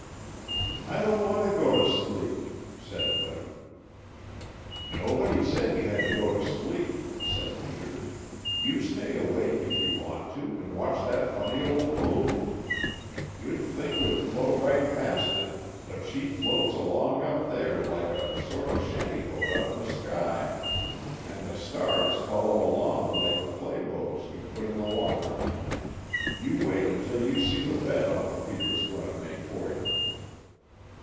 "I don't want to go to sleep," said Buddy. "Nobody said you had to go to sleep," said Peter. "You stay awake, if you want to, and watch that funny old moon. You'd think we'd float right past it, but she floats along up there, like a sort of shanty boat up in the sky, and the stars follow along like the play boats you put in the water. You wait until you see the bed Uncle Peter is going to make for you!"